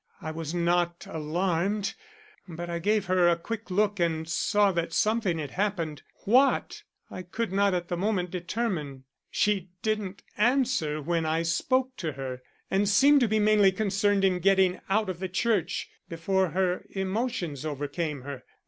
I was not alarmed, but I gave her a quick look and saw that something had happened. What, I could not at the moment determine. She didn't answer when I spoke to her and seemed to be mainly concerned in getting out of the church before her emotions overcame her.